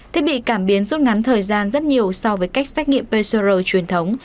thiết bị cảm biến rút ngắn thời gian rất nhiều so với cách xét nghiệm pcr truyền thống